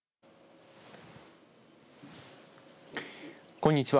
こんにちは。